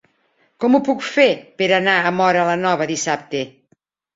Com ho puc fer per anar a Móra la Nova dissabte?